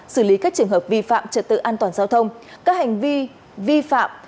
xử lý các trường hợp vi phạm trật tự an toàn giao thông các hành vi vi phạm